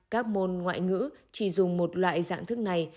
các môn ngoại ngữ chỉ dùng một loại dạng thức này